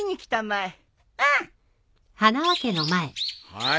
はい。